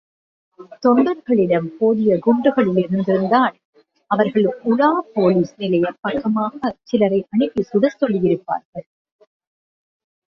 தொணடர்களிடம் போதிய குண்டுகளிருந்திருந்தால் அவர்கள் ஊலா போலிஸ் நிலையப் பக்கமாகச் சிலரை அனுப்பிச் சுடக் கொல்லியிருப்பார்கள்.